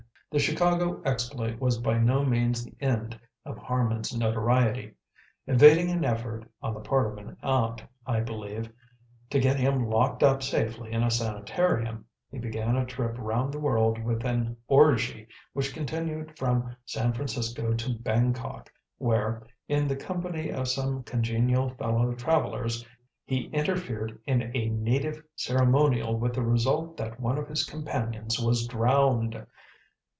The Chicago exploit was by no means the end of Harman's notoriety. Evading an effort (on the part of an aunt, I believe) to get him locked up safely in a "sanitarium," he began a trip round the world with an orgy which continued from San Francisco to Bangkok, where, in the company of some congenial fellow travellers, he interfered in a native ceremonial with the result that one of his companions was drowned.